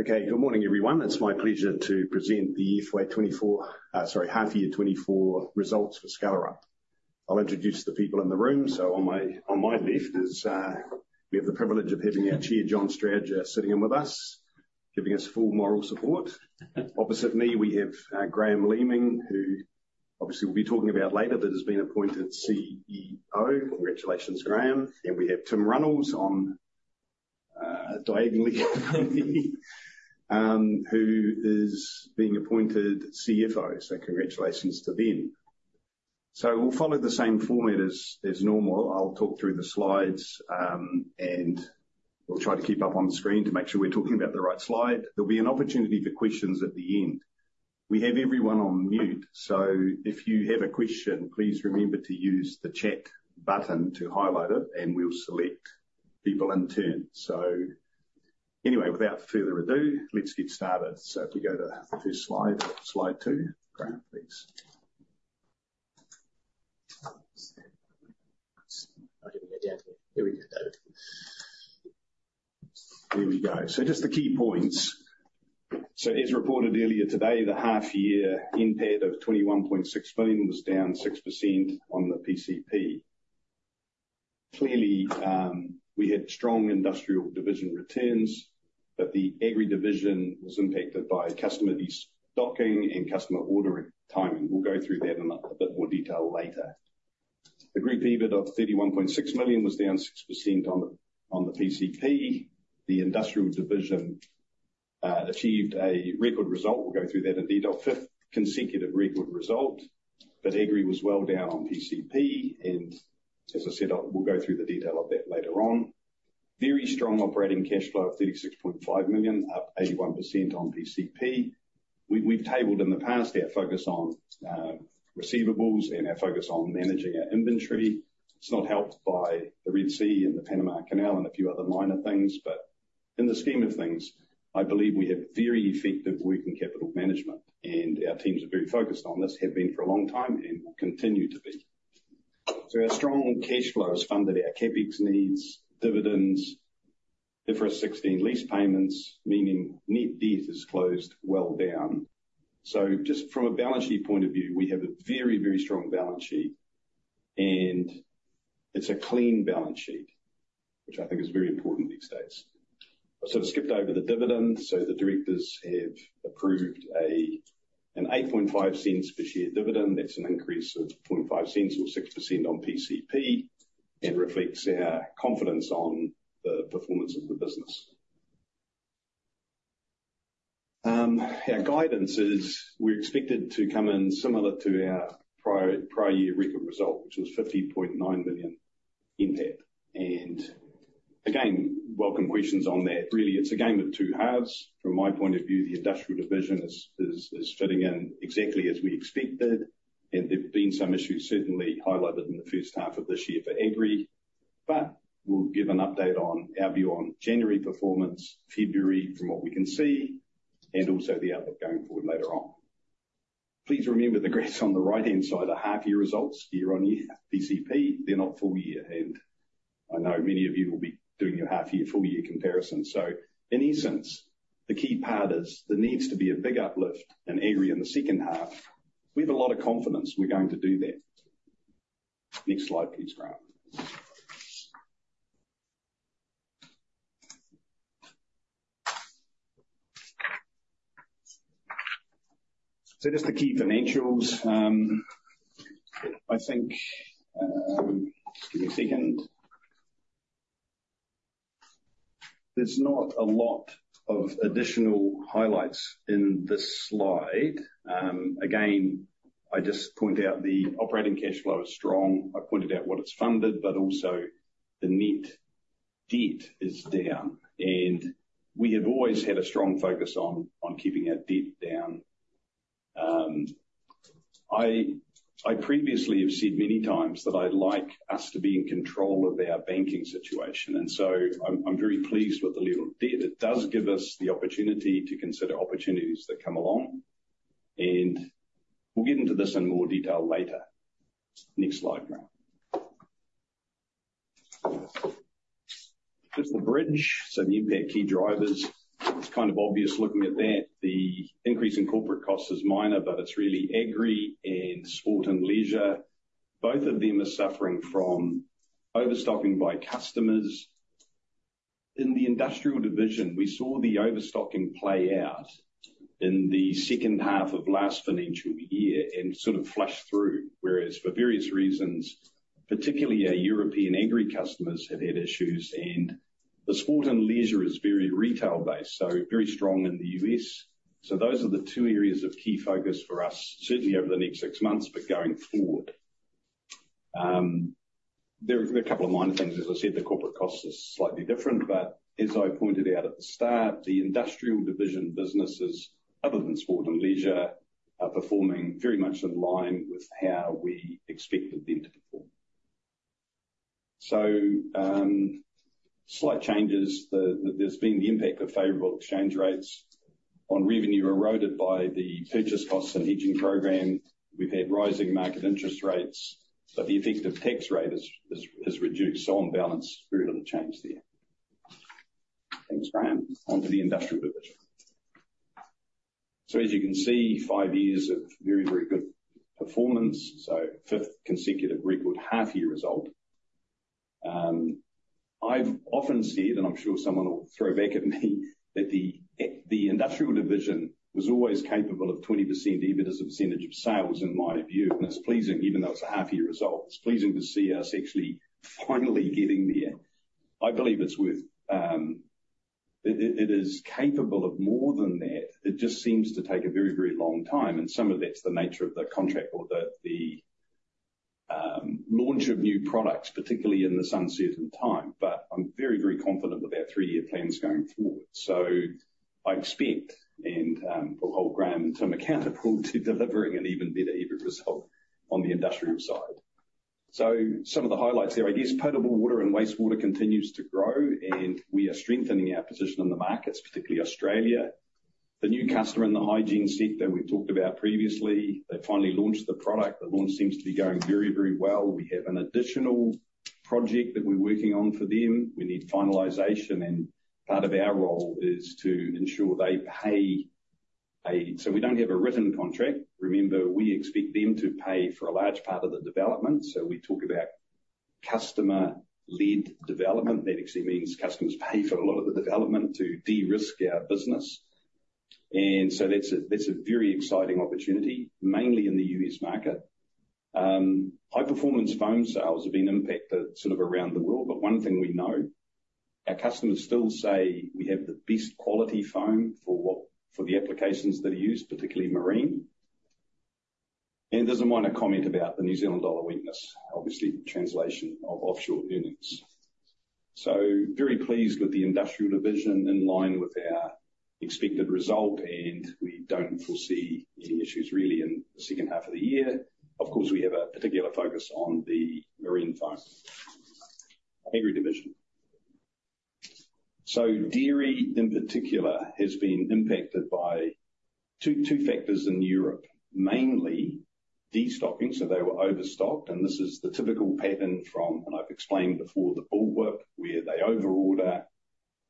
Okay, good morning everyone. It's my pleasure to present the year forward 2024, sorry, half-year 2024 results for Skellerup. I'll introduce the people in the room, so on my left, we have the privilege of having our Chair John Strowger, sitting in with us, giving us full moral support. Opposite me we have Graham Leaming, who obviously we'll be talking about later, but has been appointed CEO. Congratulations, Graham. And we have Tim Runnalls, diagonally from me, who is being appointed CFO, so congratulations to them. So we'll follow the same format as normal. I'll talk through the slides, and we'll try to keep up on the screen to make sure we're talking about the right slide. There'll be an opportunity for questions at the end. We have everyone on mute, so if you have a question, please remember to use the chat button to highlight it, and we'll select people in turn. So anyway, without further ado, let's get started. So if we go to the first slide, slide two, Graham, please. I'm giving it down to you. Here we go, David. Here we go. So just the key points. So as reported earlier today, the half-year NPAT of 21.6 million was down 6% on the PCP. Clearly, we had strong Industrial Division returns, but the Agri Division was impacted by customer destocking and customer ordering timing. We'll go through that in a bit more detail later. The group EBIT of 31.6 million was down 6% on the PCP. The Industrial Division achieved a record result. We'll go through that in detail. Fifth consecutive record result, but Agri was well down on PCP, and as I said, we'll go through the detail of that later on. Very strong operating cash flow of 36.5 million, up 81% on PCP. We've tabled in the past our focus on receivables and our focus on managing our inventory. It's not helped by the Red Sea and the Panama Canal and a few other minor things, but in the scheme of things, I believe we have very effective working capital management, and our teams are very focused on this, have been for a long time, and will continue to be. So our strong cash flow has funded our CapEx needs, dividends, IFRS 16 lease payments, meaning net debt is closed well down. So just from a balance sheet point of view, we have a very, very strong balance sheet, and it's a clean balance sheet, which I think is very important these days. I've sort of skipped over the dividends. So the directors have approved an 0.085 per share dividend. That's an increase of 0.005, or 6%, on PCP, and reflects our confidence on the performance of the business. Our guidance is we're expected to come in similar to our prior year record result, which was 50.9 million NPAT. And again, welcome questions on that. Really, it's a game of two halves. From my point of view, the industrial division is fitting in exactly as we expected, and there've been some issues certainly highlighted in the first half of this year for Agri, but we'll give an update on our view on January performance, February from what we can see, and also the outlook going forward later on. Please remember the graphs on the right-hand side are half-year results, year-over-year, PCP. They're not full-year, and I know many of you will be doing your half-year/full-year comparison. So in essence, the key part is there needs to be a big uplift in Agri in the second half. We have a lot of confidence we're going to do that. Next slide, please, Graham. So just the key financials, I think, just give me a second. There's not a lot of additional highlights in this slide. Again, I just point out the operating cash flow is strong. I pointed out what it's funded, but also the net debt is down, and we have always had a strong focus on keeping our debt down. I previously have said many times that I'd like us to be in control of our banking situation, and so I'm very pleased with the level of debt. It does give us the opportunity to consider opportunities that come along, and we'll get into this in more detail later. Next slide, Graham. Just the bridge, so the NPAT key drivers. It's kind of obvious looking at that. The increase in corporate costs is minor, but it's really Agri and sport and leisure. Both of them are suffering from overstocking by customers. In the Industrial Division, we saw the overstocking play out in the second half of last financial year and sort of flush through, whereas for various reasons, particularly our European Agri customers have had issues, and the sport and leisure is very retail-based, so very strong in the U.S. So those are the two areas of key focus for us, certainly over the next six months, but going forward. There are a couple of minor things. As I said, the corporate costs are slightly different, but as I pointed out at the start, the Industrial Division businesses, other than sport and leisure, are performing very much in line with how we expected them to perform. So, slight changes. There's been the impact of favorable exchange rates on revenue eroded by the purchase costs and hedging program. We've had rising market interest rates, but the effective tax rate is reduced, so on balance, very little change there. Thanks, Graham. On to the Industrial Division. So as you can see, five years of very, very good performance, so fifth consecutive record half-year result. I've often said, and I'm sure someone will throw back at me, that the Industrial Division was always capable of 20% EBIT as a percentage of sales, in my view, and it's pleasing, even though it's a half-year result. It's pleasing to see us actually finally getting there. I believe it's worth, it is capable of more than that. It just seems to take a very, very long time, and some of that's the nature of the contract or the launch of new products, particularly in the uncertain time, but I'm very, very confident with our three-year plans going forward. So I expect, and, we'll hold Graham and Tim accountable to delivering an even better EBIT result on the industrial side. So some of the highlights there, I guess, potable water and wastewater continues to grow, and we are strengthening our position in the markets, particularly Australia. The new customer in the hygiene sector we've talked about previously, they've finally launched the product. The launch seems to be going very, very well. We have an additional project that we're working on for them. We need finalization, and part of our role is to ensure they pay us so we don't have a written contract. Remember, we expect them to pay for a large part of the development, so we talk about customer-led development. That actually means customers pay for a lot of the development to de-risk our business, and so that's a very exciting opportunity, mainly in the U.S. market. High-performance foam sales have been impacted sort of around the world, but one thing we know, our customers still say we have the best quality foam for the applications that are used, particularly marine, and there's a minor comment about the New Zealand dollar weakness, obviously, translation of offshore earnings. So very pleased with the Industrial Division in line with our expected result, and we don't foresee any issues, really, in the second half of the year. Of course, we have a particular focus on the marine foam, Agri Division. So dairy, in particular, has been impacted by two, two factors in Europe, mainly destocking, so they were overstocked, and this is the typical pattern from, and I've explained before, the bullwhip, where they overorder,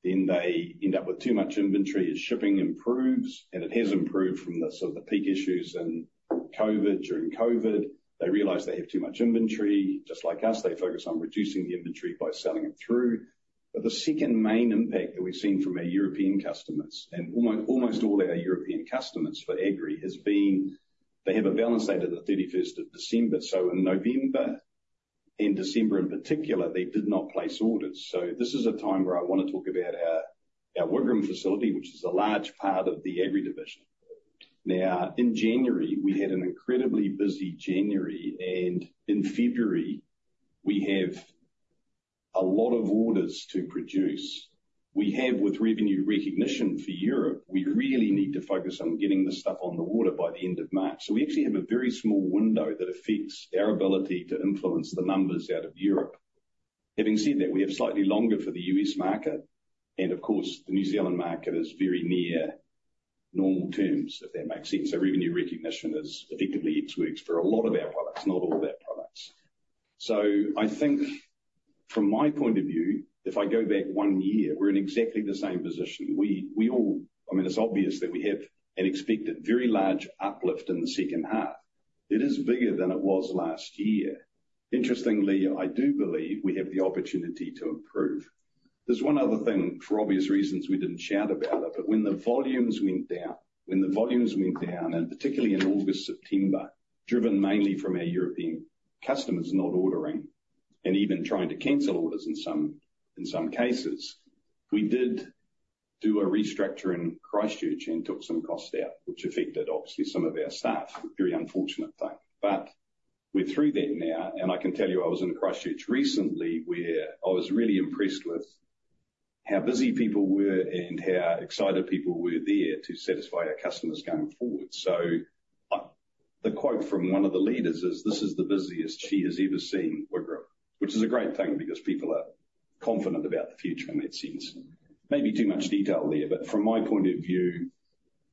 then they end up with too much inventory as shipping improves, and it has improved from the sort of the peak issues in COVID during COVID. They realize they have too much inventory. Just like us, they focus on reducing the inventory by selling it through. But the second main impact that we've seen from our European customers, and almost, almost all our European customers for Agri, has been they have a balance date of the 31st of December, so in November and December in particular, they did not place orders. So this is a time where I want to talk about our, our Wigram facility, which is a large part of the Agri Division. Now, in January, we had an incredibly busy January, and in February, we have a lot of orders to produce. We have, with revenue recognition for Europe, we really need to focus on getting the stuff on the water by the end of March. So we actually have a very small window that affects our ability to influence the numbers out of Europe. Having said that, we have slightly longer for the U.S. market, and of course, the New Zealand market is very near normal terms, if that makes sense. So revenue recognition is effectively works for a lot of our products, not all of our products. So I think, from my point of view, if I go back one year, we're in exactly the same position. We all—I mean, it's obvious that we have an expected very large uplift in the second half. It is bigger than it was last year. Interestingly, I do believe we have the opportunity to improve. There's one other thing, for obvious reasons we didn't shout about it, but when the volumes went down when the volumes went down, and particularly in August September, driven mainly from our European customers not ordering and even trying to cancel orders in some cases, we did do a restructure in Christchurch and took some costs out, which affected, obviously, some of our staff, a very unfortunate thing. But we're through that now, and I can tell you I was in Christchurch recently where I was really impressed with how busy people were and how excited people were there to satisfy our customers going forward. So the quote from one of the leaders is, "This is the busiest she has ever seen, Wigram," which is a great thing because people are confident about the future in that sense. Maybe too much detail there, but from my point of view,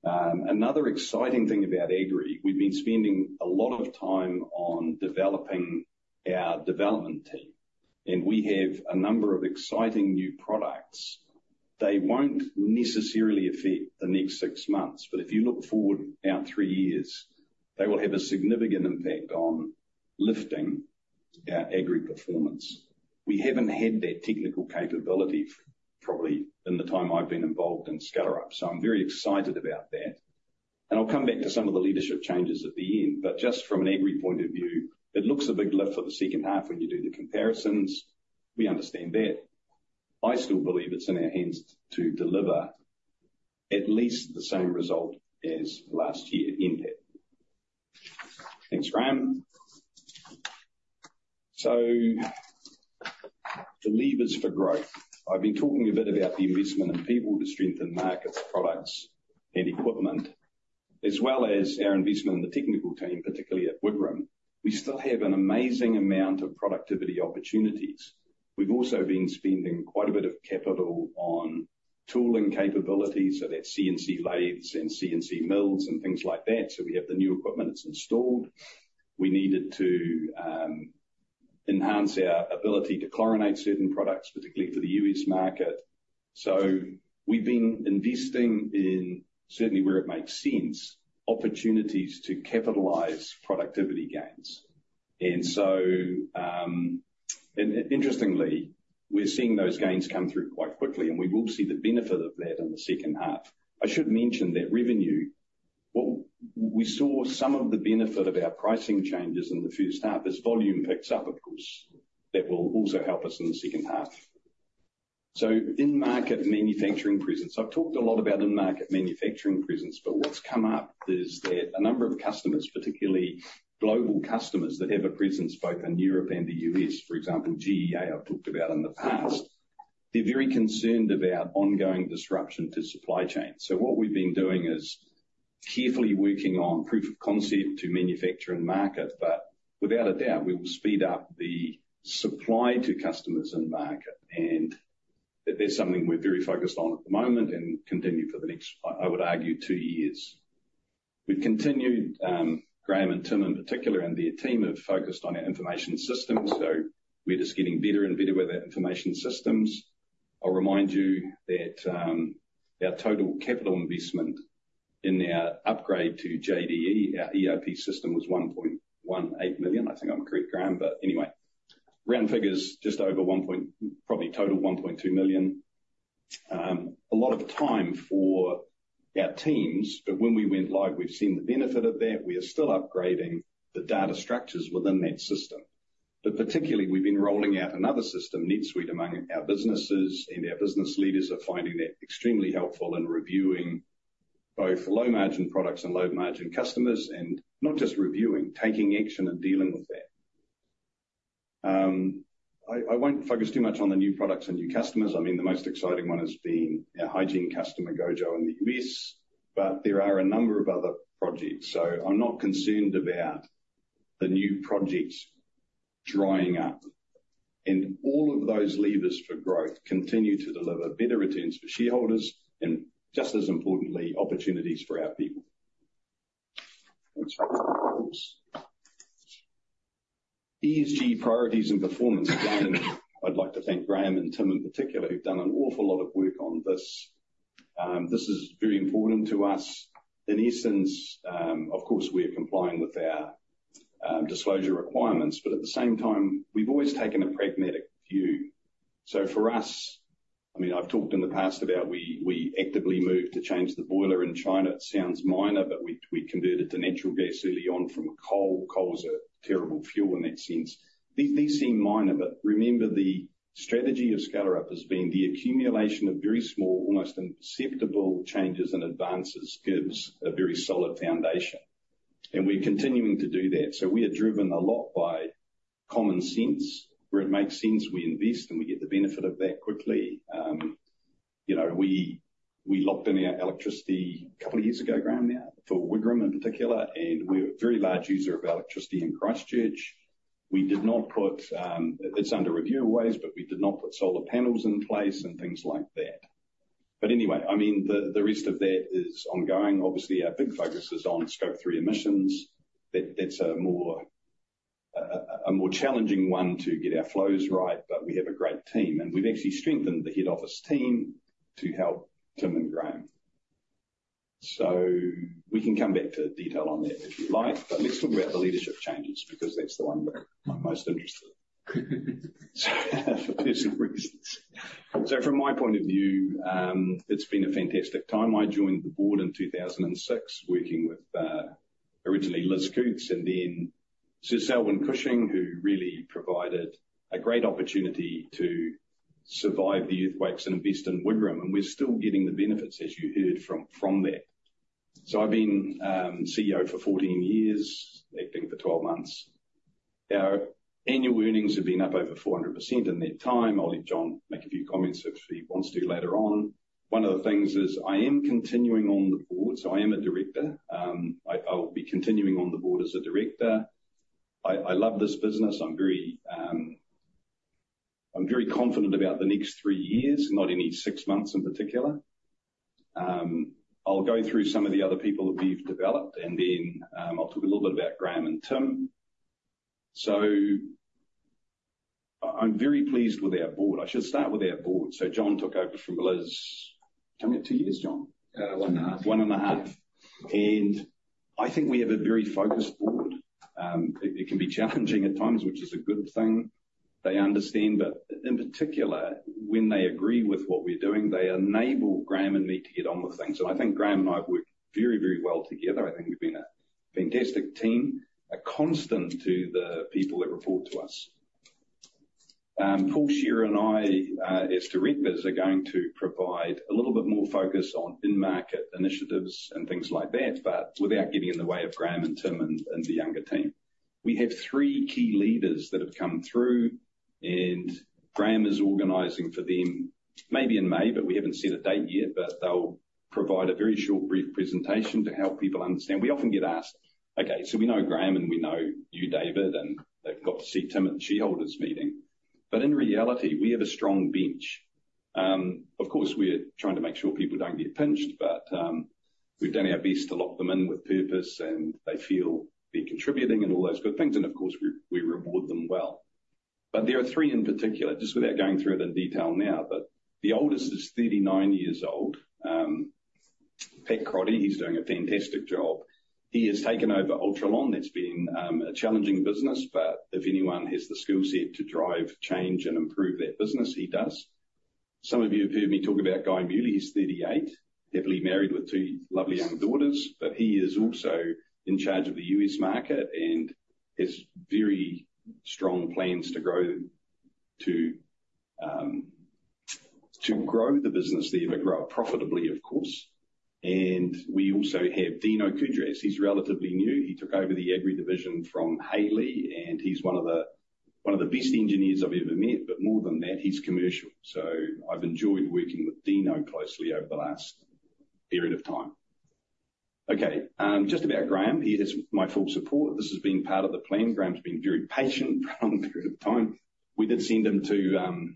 another exciting thing about Agri, we've been spending a lot of time on developing our development team, and we have a number of exciting new products. They won't necessarily affect the next six months, but if you look forward out three years, they will have a significant impact on lifting our Agri performance. We haven't had that technical capability probably in the time I've been involved in Skellerup, so I'm very excited about that, and I'll come back to some of the leadership changes at the end, but just from an aggregate point of view, it looks a big lift for the second half when you do the comparisons. We understand that. I still believe it's in our hands to deliver at least the same result as last year, NPAT. Thanks, Graham. So the levers for growth. I've been talking a bit about the investment in people to strengthen markets, products, and equipment, as well as our investment in the technical team, particularly at Wigram. We still have an amazing amount of productivity opportunities. We've also been spending quite a bit of capital on tooling capabilities, so that's CNC lathes and CNC mills and things like that, so we have the new equipment that's installed. We needed to enhance our ability to chlorinate certain products, particularly for the U.S. market. So we've been investing in, certainly where it makes sense, opportunities to capitalize productivity gains, and so, and interestingly, we're seeing those gains come through quite quickly, and we will see the benefit of that in the second half. I should mention that revenue what we saw some of the benefit of our pricing changes in the first half as volume picks up, of course, that will also help us in the second half. So in-market manufacturing presence. I've talked a lot about in-market manufacturing presence, but what's come up is that a number of customers, particularly global customers that have a presence both in Europe and the U.S., for example, GEA I've talked about in the past, they're very concerned about ongoing disruption to supply chain. So what we've been doing is carefully working on proof of concept to manufacture and market, but without a doubt, we will speed up the supply to customers and market, and that there's something we're very focused on at the moment and continue for the next, I would argue, two years. We've continued, Graham and Tim in particular and their team have focused on our information systems, so we're just getting better and better with our information systems. I'll remind you that our total capital investment in our upgrade to JDE, our ERP system, was 1.18 million. I think I'm correct, Graham, but anyway. Round figures, just over 1.00 million probably total 1.2 million. A lot of time for our teams, but when we went live, we've seen the benefit of that. We are still upgrading the data structures within that system, but particularly we've been rolling out another system, NetSuite, among our businesses, and our business leaders are finding that extremely helpful in reviewing both low-margin products and low-margin customers, and not just reviewing, taking action and dealing with that. I won't focus too much on the new products and new customers. I mean, the most exciting one has been our hygiene customer, GOJO, in the U.S., but there are a number of other projects, so I'm not concerned about the new projects drying up, and all of those levers for growth continue to deliver better returns for shareholders and, just as importantly, opportunities for our people. ESG priorities and performance planning. I'd like to thank Graham and Tim in particular who've done an awful lot of work on this. This is very important to us. In essence, of course, we are complying with our disclosure requirements, but at the same time, we've always taken a pragmatic view. So for us, I mean, I've talked in the past about we—we actively move to change the boiler in China. It sounds minor, but we—we converted to natural gas early on from coal. Coal's a terrible fuel in that sense. These—these seem minor, but remember the strategy of Skellerup has been the accumulation of very small, almost imperceptible changes and advances gives a very solid foundation, and we're continuing to do that. So we are driven a lot by common sense, where it makes sense we invest and we get the benefit of that quickly. You know, we locked in our electricity a couple of years ago, Graham, now, for Wigram in particular, and we're a very large user of electricity in Christchurch. We did not put, it's under review always, but we did not put solar panels in place and things like that. But anyway, I mean, the rest of that is ongoing. Obviously, our big focus is on Scope 3 emissions. That's a more challenging one to get our flows right, but we have a great team, and we've actually strengthened the head office team to help Tim and Graham. So we can come back to detail on that if you like, but let's talk about the leadership changes because that's the one that I'm most interested in, for personal reasons. So from my point of view, it's been a fantastic time. I joined the board in 2006 working with, originally Liz Coutts and then Sir Selwyn Cushing who really provided a great opportunity to survive the earthquakes and invest in Wigram, and we're still getting the benefits, as you heard, from that. So I've been CEO for 14 years, acting for 12 months. Our annual earnings have been up over 400% in that time. I'll let John make a few comments if he wants to later on. One of the things is I am continuing on the board, so I am a director. I'll be continuing on the board as a director. I love this business. I'm very confident about the next three years, not any six months in particular. I'll go through some of the other people that we've developed, and then, I'll talk a little bit about Graham and Tim. So I'm very pleased with our board. I should start with our board. So John took over from Liz. How many years? John? one and a half one and a half. And I think we have a very focused board. It can be challenging at times, which is a good thing. They understand, but in particular, when they agree with what we're doing, they enable Graham and me to get on with things. And I think Graham and I have worked very, very well together. I think we've been a fantastic team, a constant to the people that report to us. Paul Shearer and I, as directors, are going to provide a little bit more focus on in-market initiatives and things like that, but without getting in the way of Graham and Tim and the younger team. We have three key leaders that have come through, and Graham is organizing for them maybe in May, but we haven't set a date yet, but they'll provide a very short brief presentation to help people understand. We often get asked, "Okay, so we know Graham and we know you, David, and they've got to see Tim at the shareholders' meeting," but in reality, we have a strong bench. Of course, we're trying to make sure people don't get pinched, but, we've done our best to lock them in with purpose and they feel they're contributing and all those good things, and of course, we—we reward them well. But there are three in particular, just without going through it in detail now, but the oldest is 39 years old, Pat Crotty. He's doing a fantastic job. He has taken over Ultralon. That's been a challenging business, but if anyone has the skill set to drive change and improve that business, he does. Some of you have heard me talk about Guy Meuli. He's 38, happily married with two lovely young daughters, but he is also in charge of the U.S. market and has very strong plans to grow to, to grow the business there, but grow it profitably, of course. And we also have Dino Kudrass. He's relatively new. He took over the Agri Division from Hayley, and he's one of the one of the best engineers I've ever met, but more than that, he's commercial. So I've enjoyed working with Dino closely over the last period of time. Okay, just about Graham. He has my full support. This has been part of the plan. Graham's been very patient for a long period of time. We did send him to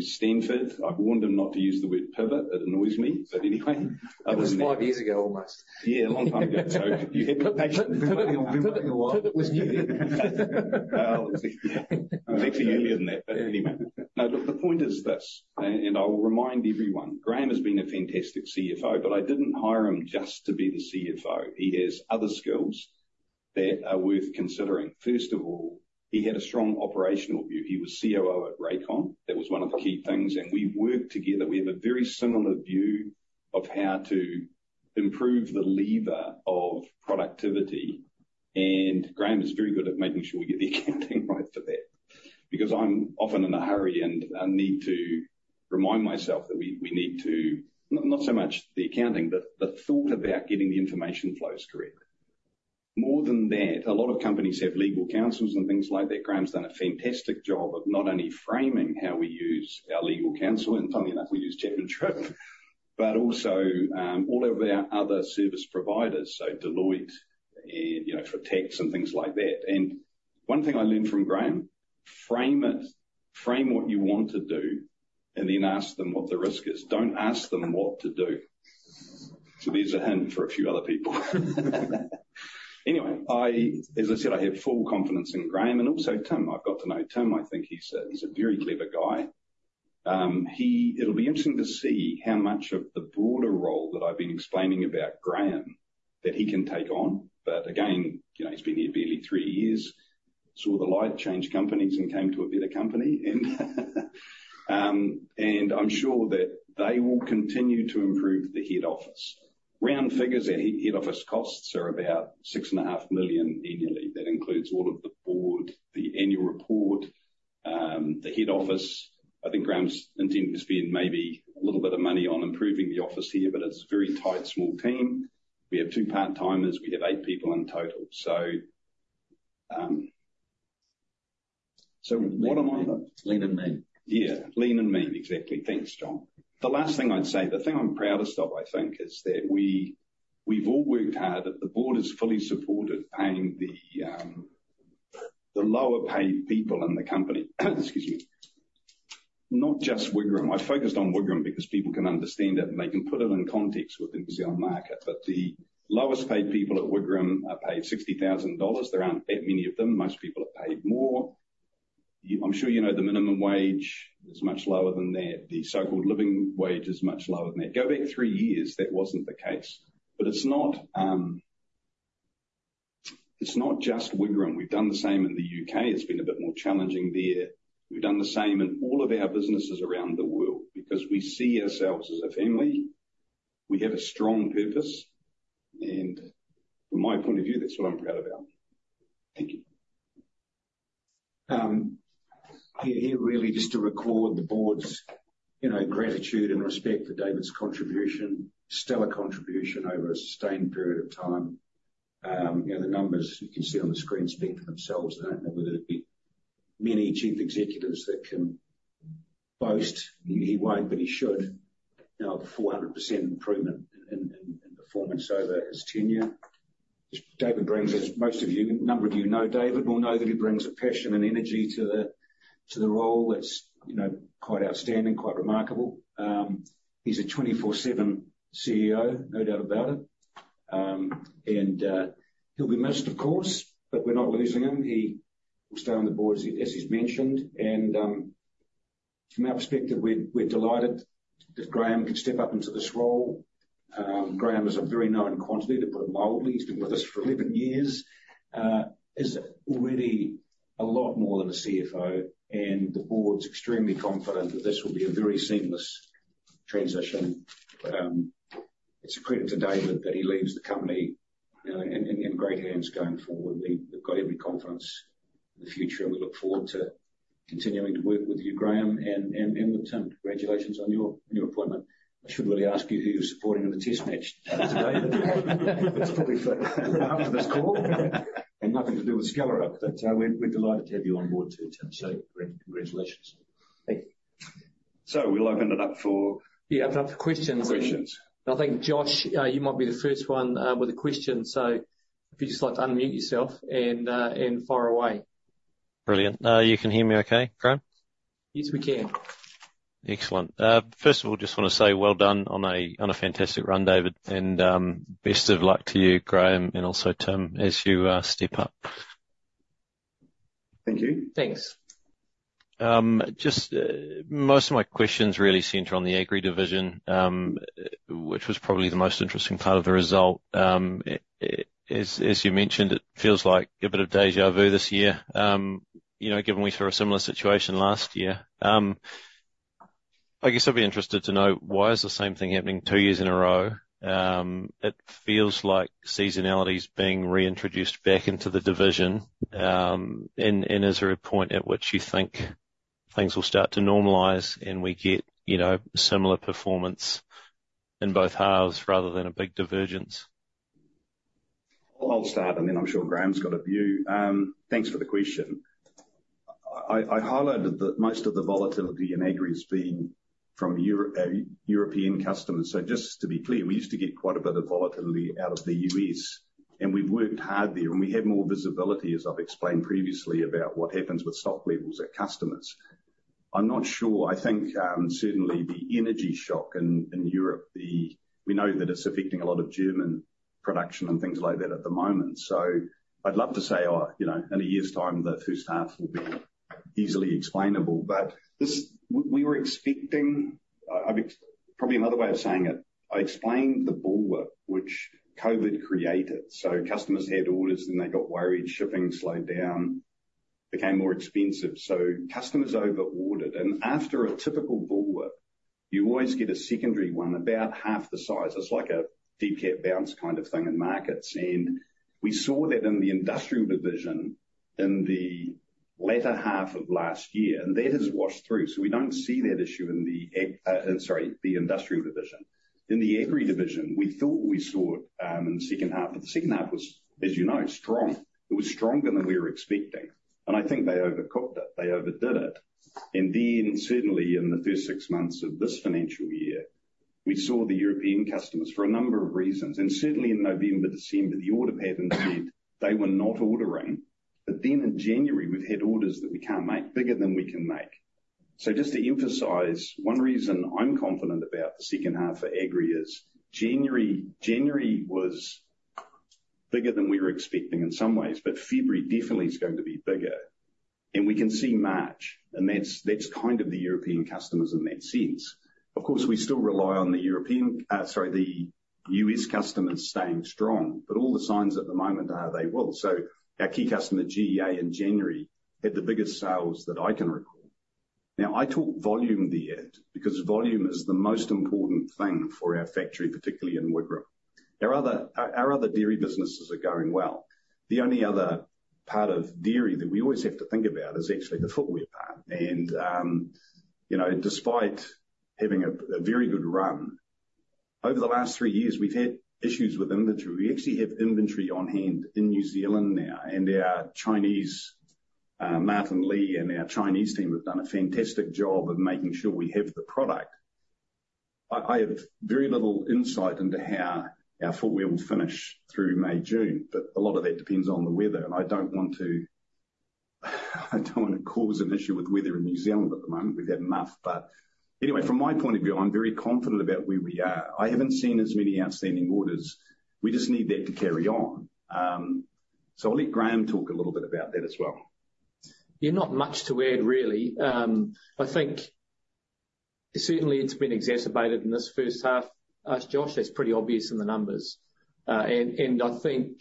Stanford. I've warned him not to use the word pivot. It annoys me, but anyway, other than that. That was five years ago almost. Yeah, a long time ago. So you had patient pivoting on pivoting a while. Pivot was new then. Well, it was actually earlier than that, but anyway. No, look, the point is this, and I'll remind everyone, Graham has been a fantastic CFO, but I didn't hire him just to be the CFO. He has other skills that are worth considering. First of all, he had a strong operational view. He was COO at Rayonier. That was one of the key things, and we worked together. We have a very similar view of how to improve the lever of productivity, and Graham is very good at making sure we get the accounting right for that because I'm often in a hurry and I need to remind myself that we need to not so much the accounting, but the thought about getting the information flows correct. More than that, a lot of companies have legal counsels and things like that. Graham's done a fantastic job of not only framing how we use our legal counsel, and funny enough, we use Chapman Tripp, but also, all of our other service providers, so Deloitte and, you know, for tax and things like that. One thing I learned from Graham, frame it, frame what you want to do, and then ask them what the risk is. Don't ask them what to do. So there's a hint for a few other people. Anyway, as I said, I have full confidence in Graham and also Tim. I've got to know Tim. I think he's a very clever guy. It'll be interesting to see how much of the broader role that I've been explaining about Graham that he can take on, but again, you know, he's been here barely three years, saw the light, changed companies, and came to a better company, and I'm sure that they will continue to improve the head office. Round figures, our head office costs are about 6.5 million annually. That includes all of the board, the annual report, the head office. I think Graham's intended to spend maybe a little bit of money on improving the office here, but it's a very tight, small team. We have two part-timers. We have eight people in total. So, so what am I? Lean and mean. Yeah, lean and mean, exactly. Thanks, John. The last thing I'd say, the thing I'm proudest of, I think, is that we—we've all worked hard. The board has fully supported paying the, the lower-paid people in the company. Excuse me. Not just Wigram. I've focused on Wigram because people can understand it and they can put it in context with the New Zealand market, but the lowest-paid people at Wigram are paid 60,000 dollars. There aren't that many of them. Most people are paid more. I'm sure you know the minimum wage is much lower than that. The so-called living wage is much lower than that. Go back three years, that wasn't the case, but it's not, it's not just Wigram. We've done the same in the U.K. It's been a bit more challenging there. We've done the same in all of our businesses around the world because we see ourselves as a family. We have a strong purpose, and from my point of view, that's what I'm proud about. Thank you. He, he, really just to record the board's, you know, gratitude and respect for David's contribution, stellar contribution over a sustained period of time. You know, the numbers you can see on the screen speak for themselves. I don't know whether it'd be many chief executives that can boast. He won't, but he should. Now, a 400% improvement in performance over his tenure. Just David brings, as most of you a number of you know David will know that he brings a passion and energy to the role. That's, you know, quite outstanding, quite remarkable. He's a 24/7 CEO, no doubt about it. He'll be missed, of course, but we're not losing him. He will stay on the board, as he's mentioned, and from our perspective, we're delighted that Graham can step up into this role. Graham is a very known quantity, to put it mildly. He's been with us for 11 years. He is already a lot more than a CFO, and the board's extremely confident that this will be a very seamless transition. It's a credit to David that he leaves the company, you know, in great hands going forward. We've got every confidence in the future, and we look forward to continuing to work with you, Graham, and with Tim. Congratulations on your appointment. I should really ask you who you're supporting in the test match today. That's probably it after this call and nothing to do with Skellerup, but, we're delighted to have you on board too, Tim. So congratulations. Thank you. So we'll open it up for. Yeah, open it up for questions. Questions. And I think, Josh, you might be the first one, with a question, so if you'd just like to unmute yourself and, and fire away. Brilliant. You can hear me okay, Graham? Yes, we can. Excellent. First of all, just want to say well done on a fantastic run, David, and, best of luck to you, Graham, and also Tim as you, step up. Thank you. Thanks. Just, most of my questions really center on the Agri Division, which was probably the most interesting part of the result. As you mentioned, it feels like a bit of déjà vu this year, you know, given we saw a similar situation last year. I guess I'd be interested to know why is the same thing happening two years in a row? It feels like seasonality's being reintroduced back into the division, and is there a point at which you think things will start to normalize and we get, you know, similar performance in both halves rather than a big divergence? I'll start, and then I'm sure Graham's got a view. Thanks for the question. I highlighted that most of the volatile in aggregate has been from European customers. So just to be clear, we used to get quite a bit of volatility out of the U.S., and we've worked hard there, and we had more visibility, as I've explained previously, about what happens with stock levels at customers. I'm not sure. I think, certainly the energy shock in Europe, we know that it's affecting a lot of German production and things like that at the moment. So I'd love to say, oh, you know, in a year's time, the first half will be easily explainable, but this, we were expecting. I've explained probably another way of saying it. I explained the bullwhip which COVID created. So customers had orders, then they got worried. Shipping slowed down, became more expensive. So customers overordered, and after a typical bullwhip, you always get a secondary one about half the size. It's like a dead cat bounce kind of thing in markets, and we saw that in the Industrial Division in the latter half of last year, and that has washed through. So we don't see that issue in the Agri and sorry, the Industrial Division. In the Agri Division, we thought we saw it in the second half, but the second half was, as you know, strong. It was stronger than we were expecting, and I think they overcooked it. They overdid it. And then certainly in the first six months of this financial year, we saw the European customers for a number of reasons, and certainly in November, December, the order pattern said they were not ordering, but then in January, we've had orders that we can't make, bigger than we can make. So just to emphasize, one reason I'm confident about the second half for Agri is January. January was bigger than we were expecting in some ways, but February definitely's going to be bigger, and we can see March, and that's kind of the European customers in that sense. Of course, we still rely on the European, sorry, the U.S. customers staying strong, but all the signs at the moment are they will. So our key customer, GEA, in January had the biggest sales that I can recall. Now, I talk volume there because volume is the most important thing for our factory, particularly in Wigram. Our other dairy businesses are going well. The only other part of dairy that we always have to think about is actually the footwear part, and, you know, despite having a very good run over the last three years, we've had issues with inventory. We actually have inventory on hand in New Zealand now, and our Chinese, Martin Li and our Chinese team have done a fantastic job of making sure we have the product. I, I have very little insight into how our footwear will finish through May, June, but a lot of that depends on the weather, and I don't want to, I don't want to cause an issue with weather in New Zealand at the moment. We've had enough, but anyway, from my point of view, I'm very confident about where we are. I haven't seen as many outstanding orders. We just need that to carry on. I'll let Graham talk a little bit about that as well. You're not much to add, really. I think certainly it's been exacerbated in this first half, Josh. That's pretty obvious in the numbers. I think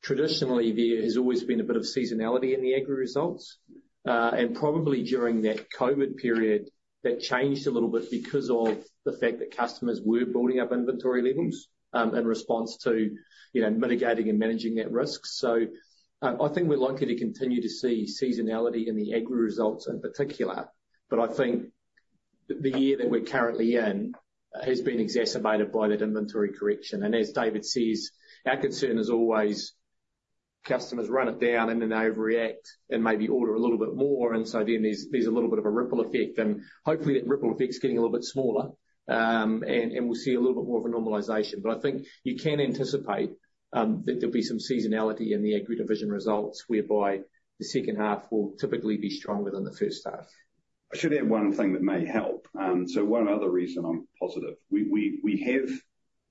traditionally there has always been a bit of seasonality in the aggregate results, and probably during that COVID period, that changed a little bit because of the fact that customers were building up inventory levels, in response to, you know, mitigating and managing that risk. So, I think we're likely to continue to see seasonality in the aggregate results in particular, but I think the year that we're currently in has been exacerbated by that inventory correction. And as David says, our concern is always customers run it down and then overreact and maybe order a little bit more, and so then there's a little bit of a ripple effect, and hopefully that ripple effect's getting a little bit smaller, and we'll see a little bit more of a normalization. But I think you can anticipate that there'll be some seasonality in the Agri Division results whereby the second half will typically be stronger than the first half. I should add one thing that may help. So one other reason I'm positive. We have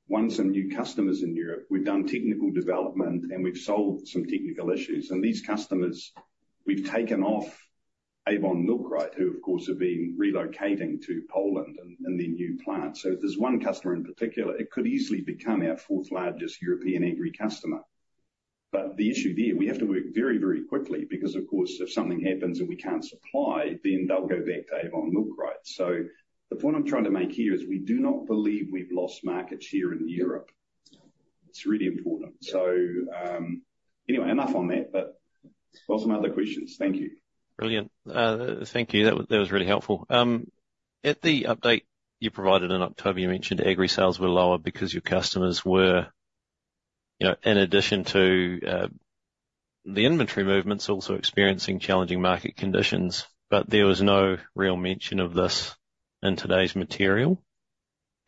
won some new customers in Europe. We've done technical development, and we've solved some technical issues, and these customers, we've taken off Avon Milkrite, who, of course, have been relocating to Poland and their new plant. So if there's one customer in particular, it could easily become our fourth-largest European Agri customer. But the issue there, we have to work very, very quickly because, of course, if something happens and we can't supply, then they'll go back to Avon Milkrite. So the point I'm trying to make here is we do not believe we've lost markets here in Europe. It's really important. So, anyway, enough on that, but we'll have some other questions. Thank you. Brilliant. Thank you. That was really helpful. At the update you provided in October, you mentioned aggregate sales were lower because your customers were, you know, in addition to the inventory movements, also experiencing challenging market conditions, but there was no real mention of this in today's material.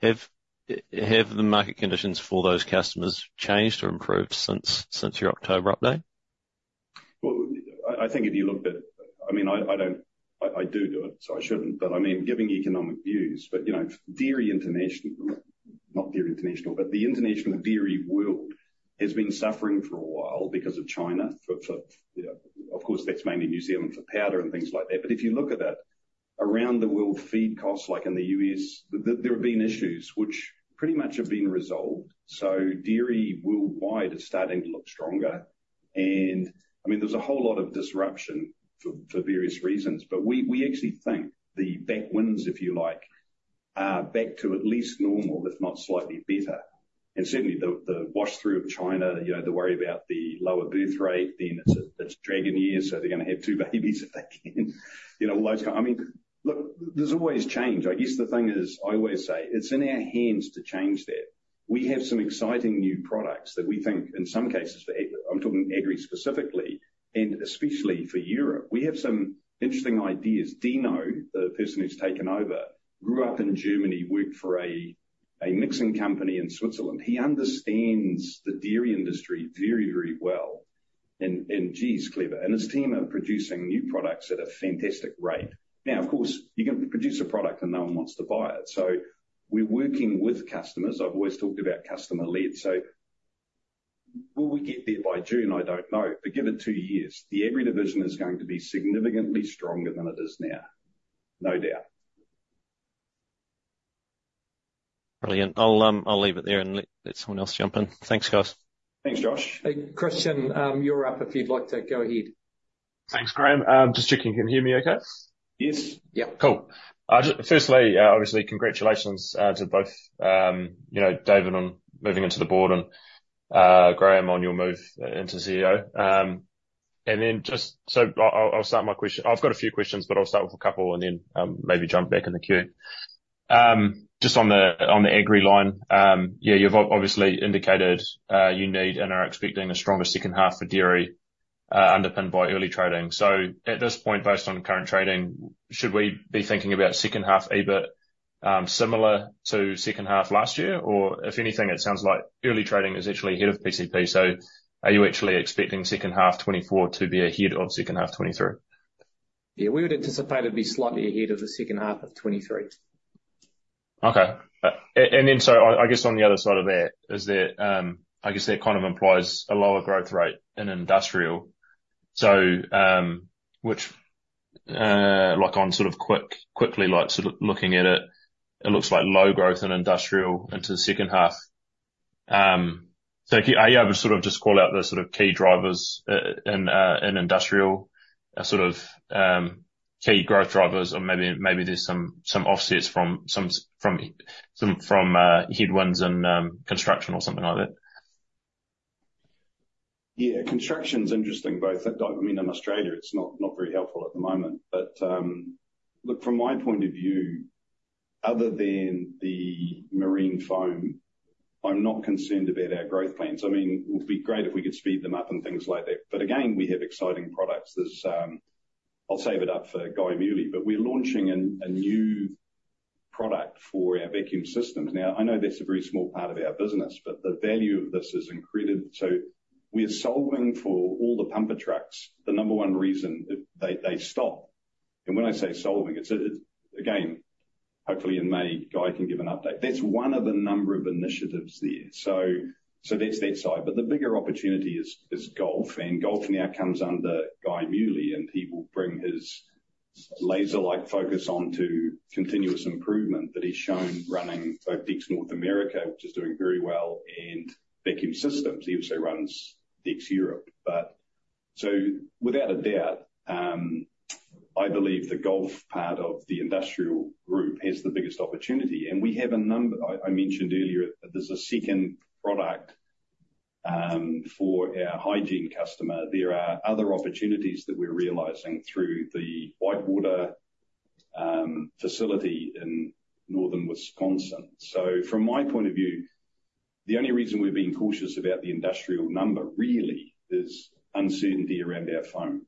Have the market conditions for those customers changed or improved since your October update? Well, I think if you looked at—I mean, I don't—I do it, so I shouldn't, but I mean, giving economic views, but, you know, dairy international not dairy international, but the international dairy world has been suffering for a while because of China for, for, you know of course, that's mainly New Zealand for powder and things like that, but if you look at it, around the world, feed costs, like in the U.S., there have been issues which pretty much have been resolved. So dairy worldwide is starting to look stronger, and I mean, there's a whole lot of disruption for, for various reasons, but we, we actually think the backwinds, if you like, are back to at least normal, if not slightly better. And certainly the wash-through of China, you know, the worry about the lower birth rate, then it's a dragon year, so they're going to have two babies if they can, you know, all those kinds of. I mean, look, there's always change. I guess the thing is, I always say, it's in our hands to change that. We have some exciting new products that we think, in some cases, for Agri. I'm talking Agri specifically, and especially for Europe. We have some interesting ideas. Dino, the person who's taken over, grew up in Germany, worked for a mixing company in Switzerland. He understands the dairy industry very, very well, and geez, clever, and his team are producing new products at a fantastic rate. Now, of course, you can produce a product and no one wants to buy it, so we're working with customers. I've always talked about customer-led, so will we get there by June? I don't know, but give it two years. The Agri Division is going to be significantly stronger than it is now, no doubt. Brilliant. I'll, I'll leave it there, and let someone else jump in. Thanks, guys. Thanks, Josh. Hey, Christian, you're up if you'd like to go ahead. Thanks, Graham. Just checking, can you hear me okay? Yes. Yep. Cool. Just firstly, obviously, congratulations to both, you know, David on moving into the board and, Graham on your move into CEO. And then just so I'll, I'll, I'll start my question. I've got a few questions, but I'll start with a couple and then, maybe jump back in the queue. Just on the on the Agri line, yeah, you've obviously indicated, you need and are expecting a stronger second half for dairy, underpinned by early trading. So at this point, based on current trading, should we be thinking about second half EBIT similar to second half last year, or if anything, it sounds like early trading is actually ahead of PCP, so are you actually expecting second half 2024 to be ahead of second half 2023? Yeah, we would anticipate it'd be slightly ahead of the second half of 2023. Okay. And then so I guess on the other side of that is that, I guess that kind of implies a lower growth rate in industrial, so, which, like, sort of quickly, like, sort of looking at it, it looks like low growth in industrial into the second half. So are you able to sort of just call out the sort of key drivers in industrial, sort of key growth drivers, or maybe there's some offsets from some headwinds in construction or something like that? Yeah, construction's interesting, both. I mean, in Australia, it's not very helpful at the moment, but look, from my point of view, other than the marine foam, I'm not concerned about our growth plans. I mean, it would be great if we could speed them up and things like that, but again, we have exciting products. There's, I'll save it for Guy Meuli, but we're launching a new product for our vacuum systems. Now, I know that's a very small part of our business, but the value of this is incredible. So we're solving for all the pumper trucks. The number one reason is they, they stop. And when I say solving, it's a it's again, hopefully in May, Guy can give an update. That's one of a number of initiatives there, so, so that's that side. But the bigger opportunity is, is Gulf, and Gulf now comes under Guy Meuli, and he will bring his laser-like focus onto continuous improvement that he's shown running both DEKS North America, which is doing very well, and vacuum systems. He also runs DEKS Europe. But so without a doubt, I believe the Gulf part of the industrial group has the biggest opportunity, and we have a number I mentioned earlier there's a second product, for our hygiene customer. There are other opportunities that we're realizing through the Whitewater facility in Northern Wisconsin. So from my point of view, the only reason we're being cautious about the industrial number, really, is uncertainty around our foam,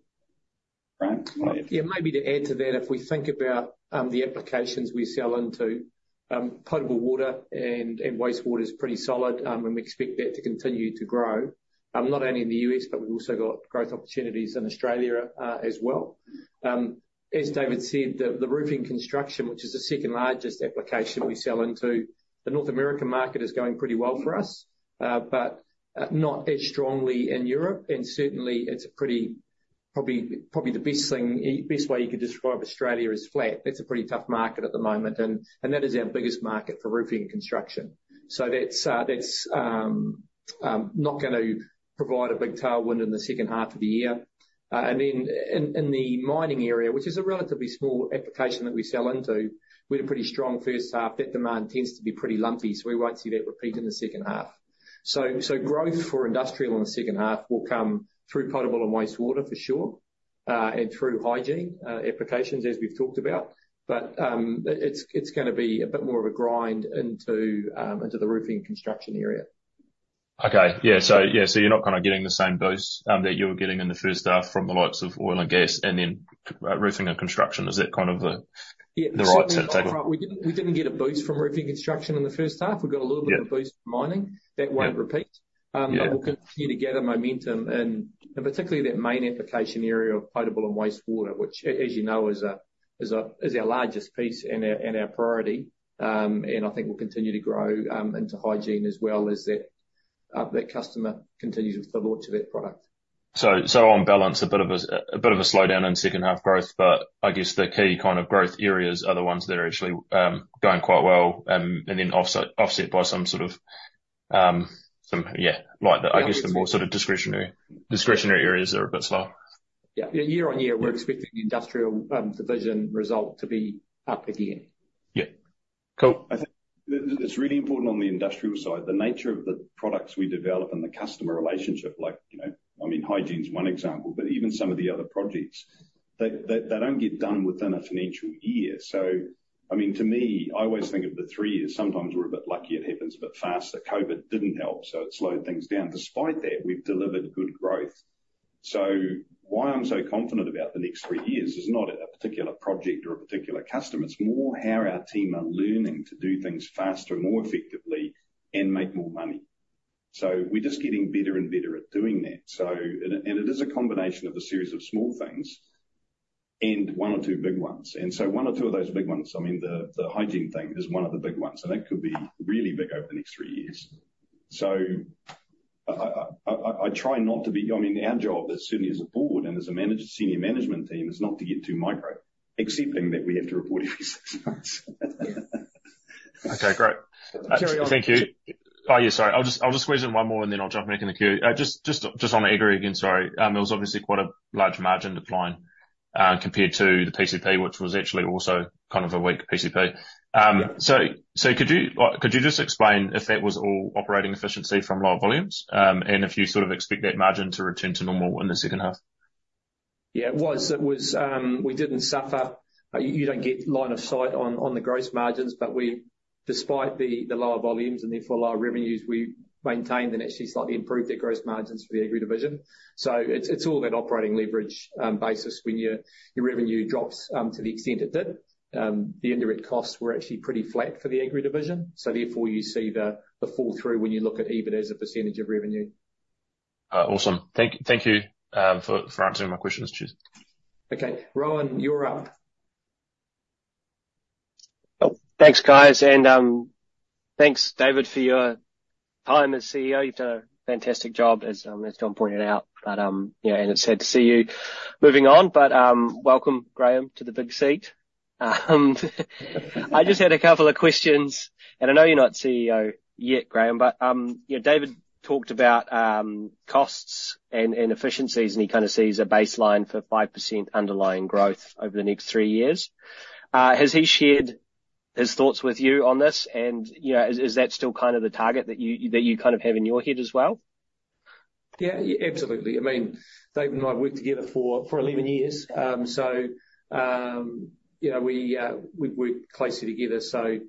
right? Yeah, maybe to add to that, if we think about the applications we sell into, potable water and wastewater's pretty solid, and we expect that to continue to grow, not only in the U.S., but we've also got growth opportunities in Australia, as well. As David said, the roofing construction, which is the second-largest application we sell into, the North American market is going pretty well for us, but not as strongly in Europe, and certainly it's probably the best way you could describe Australia is flat. That's a pretty tough market at the moment, and that is our biggest market for roofing and construction. So that's not going to provide a big tailwind in the second half of the year. And then in the mining area, which is a relatively small application that we sell into, we had a pretty strong first half. That demand tends to be pretty lumpy, so we won't see that repeat in the second half. So growth for industrial in the second half will come through potable and wastewater for sure, and through hygiene applications, as we've talked about, but it's going to be a bit more of a grind into the roofing and construction area. Okay. Yeah, so you're not kind of getting the same boost that you were getting in the first half from the likes of oil and gas and then roofing and construction. Is that kind of the right set of tackle? Yeah, certainly not the front. We didn't get a boost from roofing and construction in the first half. We got a little bit of a boost from mining. That won't repeat. But we'll continue to gather momentum in particularly that main application area of potable and wastewater, which, as you know, is our largest piece and our priority, and I think we'll continue to grow into hygiene as well as that customer continues with the launch of that product. So on balance, a bit of a slowdown in second half growth, but I guess the key kind of growth areas are the ones that are actually going quite well, and then offset by some sort of, some, yeah, like the I guess the more sort of discretionary areas are a bit slow. Yeah, yeah, year on year, we're expecting the Industrial Division result to be up again. Yeah. Cool. I think it's really important on the industrial side, the nature of the products we develop and the customer relationship, like, you know, I mean, hygiene's one example, but even some of the other projects, they don't get done within a financial year. So, I mean, to me, I always think of the three years. Sometimes we're a bit lucky. It happens a bit faster. COVID didn't help, so it slowed things down. Despite that, we've delivered good growth. So why I'm so confident about the next three years is not a particular project or a particular customer. It's more how our team are learning to do things faster, more effectively, and make more money. So we're just getting better and better at doing that. It is a combination of a series of small things and one or two big ones. One or two of those big ones—I mean, the hygiene thing is one of the big ones, and that could be really big over the next three years. I try not to be—I mean, our job, certainly as a board and as a senior management team, is not to get too micro, accepting that we have to report every six months. Okay. Great. Carry on. Thank you. Oh, yeah, sorry. I'll just squeeze in one more, and then I'll jump back in the queue. Just on aggregate again, sorry. There was obviously quite a large margin decline, compared to the PCP, which was actually also kind of a weak PCP. So, could you just explain if that was all operating efficiency from lower volumes, and if you sort of expect that margin to return to normal in the second half? Yeah, it was. We didn't suffer. You don't get line of sight on the gross margins, but despite the lower volumes and therefore lower revenues, we maintained and actually slightly improved our gross margins for the Agri Division. So it's all that operating leverage basis. When your revenue drops to the extent it did, the indirect costs were actually pretty flat for the Agri Division, so therefore you see the fall-through when you look at EBIT as a percentage of revenue. Awesome. Thank you for answering my questions. Okay. Rowan, you're up. Oh, thanks, guys, and thanks, David, for your time as CEO. You've done a fantastic job, as, as John pointed out, but, yeah, and it's sad to see you moving on, but, welcome, Graham, to the big seat. I just had a couple of questions, and I know you're not CEO yet, Graham, but, you know, David talked about, costs and, and efficiencies, and he kind of sees a baseline for 5% underlying growth over the next three years. Has he shared his thoughts with you on this, and, you know, is, is that still kind of the target that you that you kind of have in your head as well? Yeah, absolutely. I mean, David and I have worked together for, for 11 years, so, you know, we, we've worked closely together, so,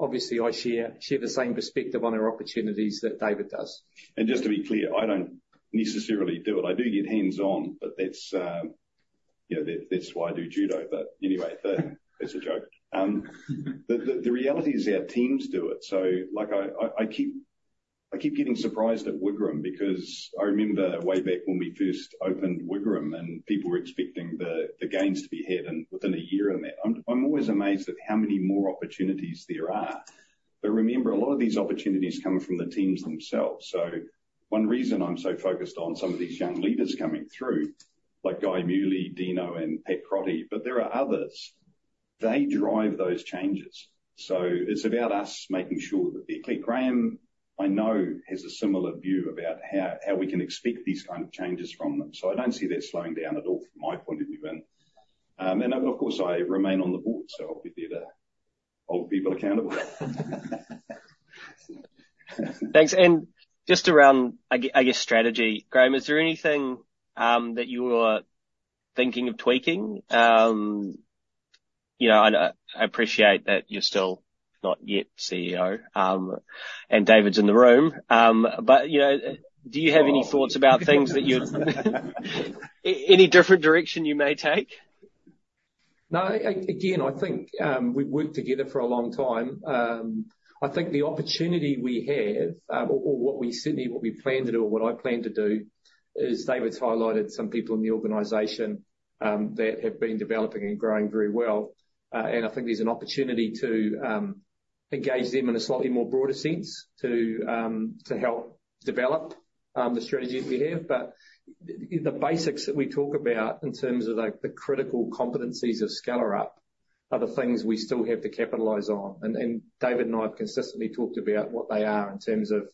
obviously, I share, share the same perspective on our opportunities that David does. And just to be clear, I don't necessarily do it. I do get hands-on, but that's, you know, that's why I do judo, but anyway, that's a joke. The reality is our teams do it, so like I keep getting surprised at Wigram because I remember way back when we first opened Wigram, and people were expecting the gains to be had within a year and that. I'm always amazed at how many more opportunities there are, but remember, a lot of these opportunities come from the teams themselves. So one reason I'm so focused on some of these young leaders coming through, like Guy Meuli, Dino, and Pat Crotty, but there are others. They drive those changes, so it's about us making sure that they're clear. Graham, I know has a similar view about how we can expect these kind of changes from them, so I don't see that slowing down at all from my point of view. And of course, I remain on the board, so I'll be there to hold people accountable. Thanks. And just around, I guess, strategy, Graham, is there anything that you were thinking of tweaking? You know, I appreciate that you're still not yet CEO, and David's in the room, but you know, do you have any thoughts about things that you'd any different direction you may take? No, again, I think we've worked together for a long time. I think the opportunity we have, or what we certainly plan to do or what I plan to do, is David's highlighted some people in the organization that have been developing and growing very well, and I think there's an opportunity to engage them in a slightly more broader sense to help develop the strategy that we have. But the basics that we talk about in terms of the critical competencies of Skellerup are the things we still have to capitalize on, and David and I have consistently talked about what they are in terms of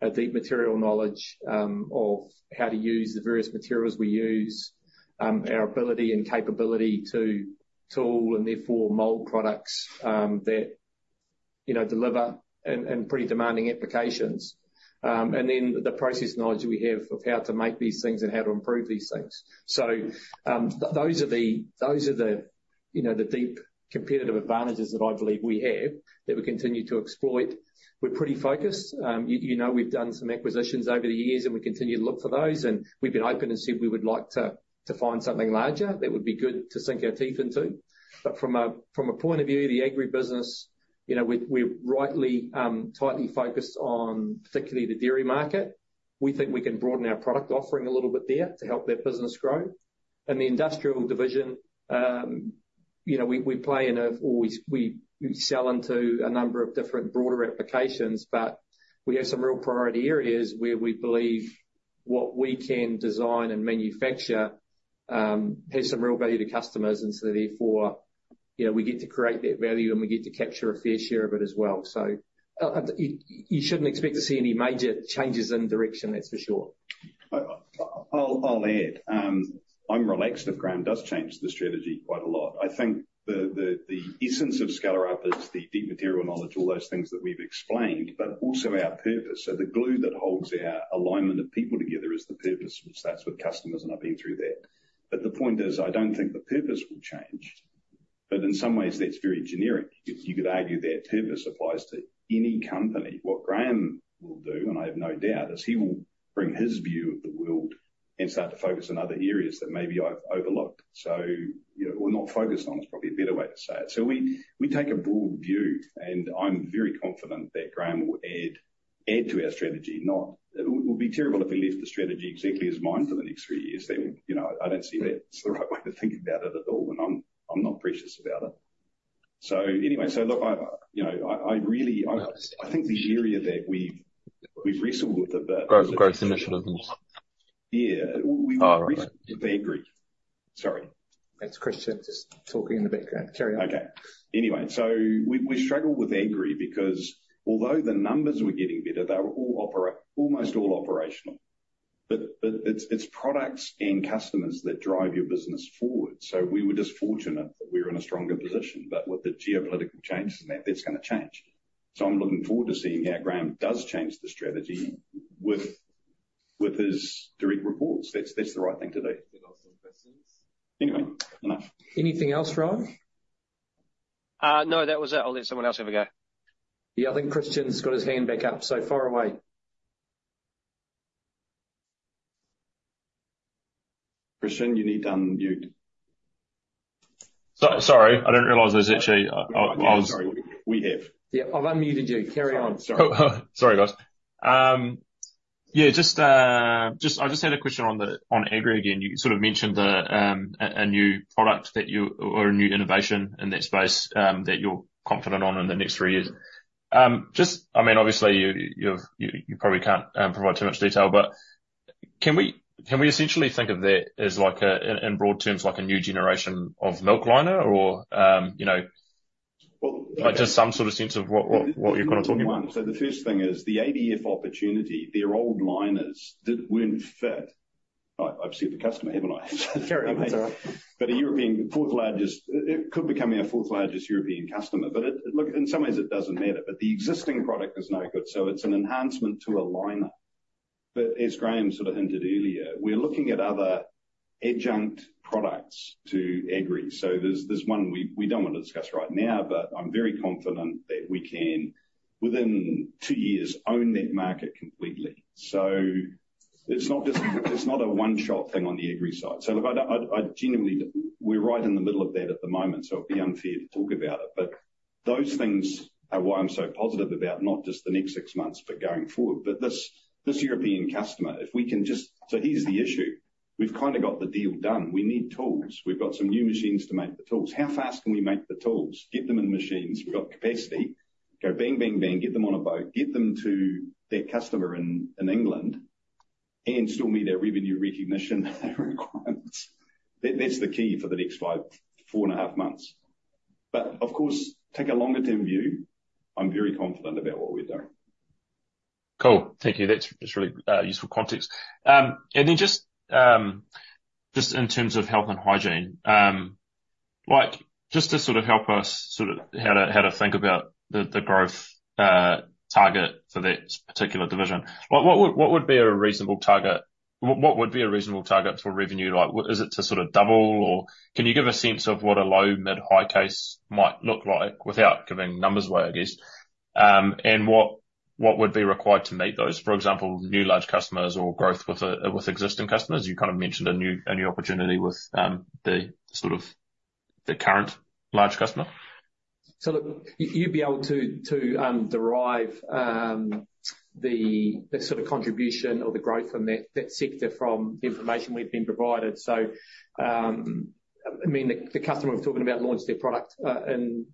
a deep material knowledge of how to use the various materials we use, our ability and capability to tool and therefore mould products that you know deliver and pretty demanding applications, and then the process knowledge that we have of how to make these things and how to improve these things. So, those are the you know the deep competitive advantages that I believe we have that we continue to exploit. We're pretty focused. You know, we've done some acquisitions over the years, and we continue to look for those, and we've been open and said we would like to find something larger that would be good to sink our teeth into. But from a point of view, the Agri business, you know, we're rightly, tightly focused on particularly the dairy market. We think we can broaden our product offering a little bit there to help that business grow. And the Industrial Division, you know, we play in a or we sell into a number of different broader applications, but we have some real priority areas where we believe what we can design and manufacture has some real value to customers, and so therefore, you know, we get to create that value, and we get to capture a fair share of it as well. So you shouldn't expect to see any major changes in direction, that's for sure. I'll add, I'm relaxed if Graham does change the strategy quite a lot. I think the essence of Skellerup is the deep material knowledge, all those things that we've explained, but also our purpose. So the glue that holds our alignment of people together is the purpose, which that's with customers, and I've been through that. But the point is, I don't think the purpose will change, but in some ways, that's very generic. You could argue that purpose applies to any company. What Graham will do, and I have no doubt, is he will bring his view of the world and start to focus on other areas that maybe I've overlooked, so, you know, or not focused on is probably a better way to say it. So we take a broad view, and I'm very confident that Graham will add to our strategy. No, it would be terrible if he left the strategy exactly as mine for the next three years. That would, you know, I don't see that as the right way to think about it at all, and I'm not precious about it. So anyway, look, you know, I really think the area that we've wrestled with a bit is growth initiatives. Yeah, we've wrestled with Agri. Sorry. That's Christian just talking in the background. Carry on. Okay. Anyway, so we've struggled with Agri because although the numbers were getting better, they were all operational, almost all operational, but it's products and customers that drive your business forward. So we were just fortunate that we were in a stronger position, but with the geopolitical changes and that, that's going to change. So I'm looking forward to seeing how Graham does change the strategy with, with his direct reports. That's, that's the right thing to do. Anyway, enough. Anything else, Rowan? No, that was it. I'll let someone else have a go. Yeah, I think Christian's got his hand back up so far away. Christian, you need to unmute. Sorry, sorry. I didn't realise there's actually I was. Sorry, we have. Yeah, I've unmuted you. Carry on. Sorry. Sorry, guys. Yeah, just, just I just had a question on the Agri again. You sort of mentioned a, a new product that you or a new innovation in that space, that you're confident on in the next three years. Just, I mean, obviously, you've – you probably can't provide too much detail, but can we essentially think of that as, like, in broad terms, like a new generation of milk liner or, you know, like just some sort of sense of what you're kind of talking about? So the first thing is the ADF opportunity, their old liners weren't fit. I've seen the customer, haven't I? Very, that's all right. But a European, fourth largest – it could become our fourth largest European customer, but look, in some ways, it doesn't matter, but the existing product is no good, so it's an enhancement to a liner. But as Graham sort of hinted earlier, we're looking at other adjunct products to aggregate. So there's one we don't want to discuss right now, but I'm very confident that we can, within two years, own that market completely. So it's not just not a one-shot thing on the Agri side. So look, I don't, I genuinely, we're right in the middle of that at the moment, so it'd be unfair to talk about it, but those things are why I'm so positive about not just the next six months, but going forward. But this European customer, if we can just, so here's the issue. We've kind of got the deal done. We need tools. We've got some new machines to make the tools. How fast can we make the tools? Get them in the machines. We've got capacity. Go bang, bang, bang. Get them on a boat. Get them to that customer in, in England and still meet our revenue recognition requirements. That's the key for the next 4.5 months. But of course, take a longer-term view. I'm very confident about what we're doing. Cool. Thank you. That's just really useful context. And then just, just in terms of health and hygiene, like just to sort of help us sort of how to how to think about the, the growth target for that particular division, like what would what would be a reasonable target? What would be a reasonable target for revenue? Like is it to sort of double, or can you give a sense of what a low, mid, high case might look like without giving numbers away, I guess, and what, what would be a reasonable target? For example, new large customers or growth with a with existing customers? You kind of mentioned a new opportunity with the sort of current large customer. So look, you'd be able to derive the sort of contribution or the growth from that sector from the information we've been provided. So, I mean, the customer we're talking about launched their product in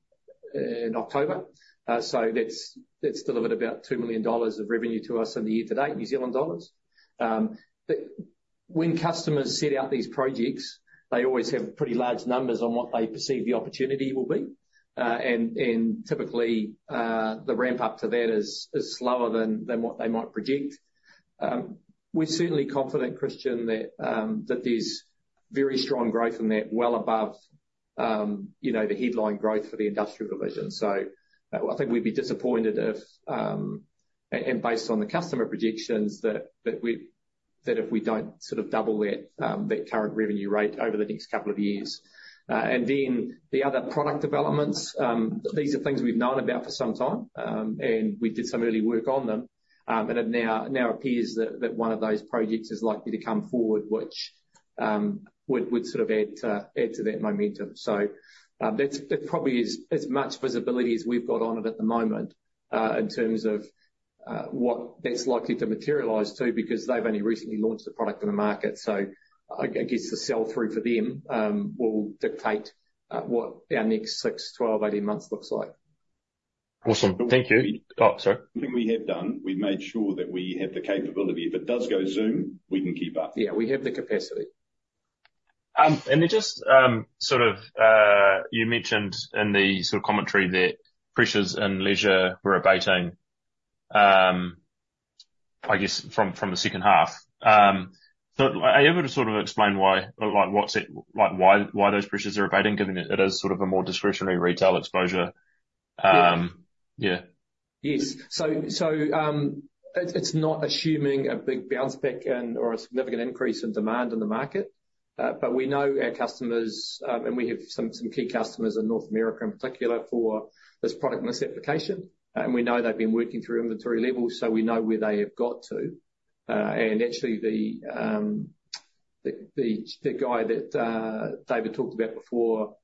October, so that's delivered about 2 million dollars of revenue to us in the year to date, New Zealand dollars. When customers set out these projects, they always have pretty large numbers on what they perceive the opportunity will be, and typically, the ramp-up to that is slower than what they might project. We're certainly confident, Christian, that there's very strong growth in that well above, you know, the headline growth for the Industrial Division. So I think we'd be disappointed if, and based on the customer projections, that if we don't sort of double that current revenue rate over the next couple of years. And then the other product developments, these are things we've known about for some time, and we did some early work on them, and it now appears that one of those projects is likely to come forward, which would sort of add to that momentum. So, that probably is as much visibility as we've got on it at the moment, in terms of what that's likely to materialise to because they've only recently launched the product in the market, so I guess the sell-through for them will dictate what our next 6, 12, 18 months looks like. Awesome. Thank you. Oh, sorry. We have done. We've made sure that we have the capability. If it does go zoom, we can keep up. Yeah, we have the capacity. And then just, sort of, you mentioned in the sort of commentary that pressures and leisure were abating, I guess, from, from the second half. So are you able to sort of explain why like what's it like why, why those pressures are abating, given that it is sort of a more discretionary retail exposure? Yeah. Yes. So, so, it's, it's not assuming a big bounce back in or a significant increase in demand in the market, but we know our customers, and we have some, some key customers in North America in particular for this product and this application, and we know they've been working through inventory levels, so we know where they have got to. Actually, the guy that David talked about before,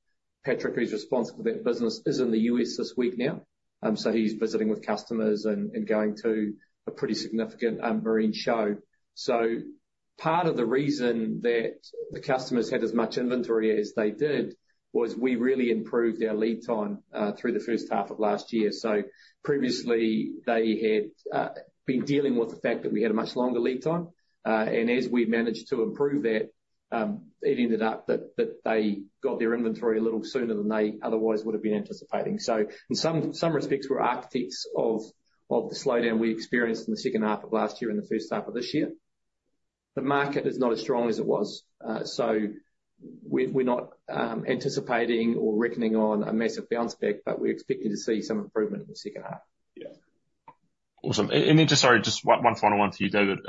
Patrick, who's responsible for that business, is in the US this week now, so he's visiting with customers and going to a pretty significant marine show. So part of the reason that the customers had as much inventory as they did was we really improved our lead time through the first half of last year. So previously, they had been dealing with the fact that we had a much longer lead time, and as we managed to improve that, it ended up that they got their inventory a little sooner than they otherwise would have been anticipating. So in some respects, we're architects of the slowdown we experienced in the second half of last year and the first half of this year. The market is not as strong as it was, so we're not anticipating or reckoning on a massive bounce back, but we're expecting to see some improvement in the second half. Yeah. Awesome. And then just sorry, just one final one for you, David.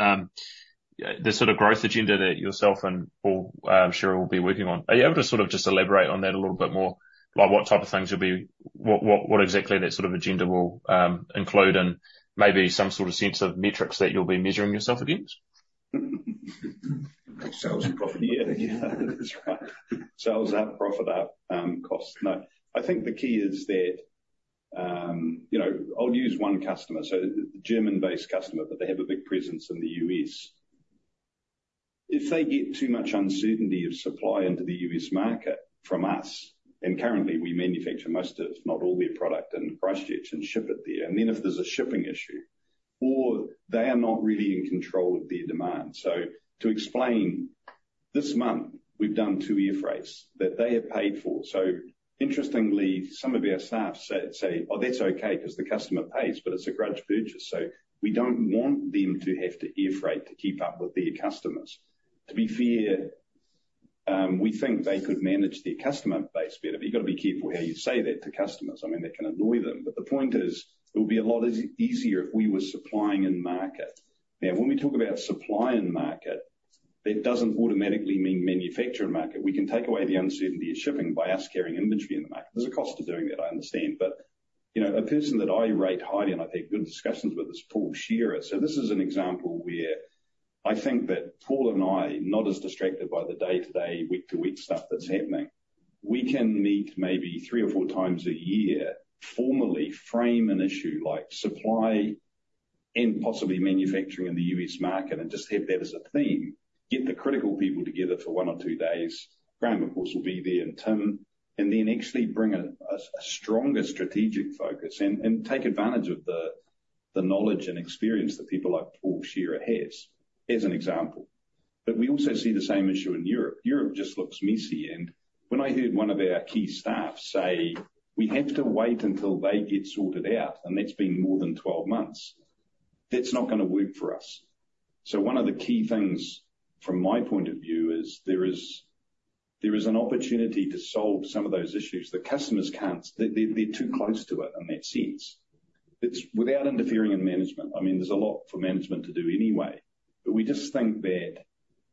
The sort of growth agenda that yourself and Paul Shearer will be working on, are you able to sort of just elaborate on that a little bit more? Like what type of things you'll be what exactly that sort of agenda will include and maybe some sort of sense of metrics that you'll be measuring yourself against? Sales and Profit. Yeah, that's right. Sales up profit up, costs. No, I think the key is that, you know, I'll use one customer, so the German-based customer, but they have a big presence in the U.S. If they get too much uncertainty of supply into the U.S. market from us, and currently, we manufacture most of, if not all, their product in Christchurch and ship it there, and then if there's a shipping issue or they are not really in control of their demand. So to explain, this month, we've done two air freights that they have paid for. So interestingly, some of our staff say, "Oh, that's okay because the customer pays, but it's a grudge purchase." So we don't want them to have to air freight to keep up with their customers. To be fair, we think they could manage their customer base better. But you've got to be careful how you say that to customers. I mean, that can annoy them. But the point is, it would be a lot easier if we were supplying in market. Now, when we talk about supply in market, that doesn't automatically mean manufacture in market. We can take away the uncertainty of shipping by us carrying inventory in the market. There's a cost to doing that, I understand. But, you know, a person that I rate highly and I've had good discussions with is Paul Shearer. So this is an example where I think that Paul and I, not as distracted by the day-to-day, week-to-week stuff that's happening, we can meet maybe three or four times a year, formally frame an issue like supply and possibly manufacturing in the U.S. market and just have that as a theme, get the critical people together for one or two days. Graham, of course, will be there and Tim, and then actually bring a stronger strategic focus and take advantage of the knowledge and experience that people like Paul Shearer has as an example. But we also see the same issue in Europe. Europe just looks messy. And when I heard one of our key staff say, "We have to wait until they get sorted out," and that's been more than 12 months, "That's not going to work for us." So one of the key things from my point of view is there is there is an opportunity to solve some of those issues. The customers can't; they're too close to it in that sense. It's without interfering in management. I mean, there's a lot for management to do anyway, but we just think that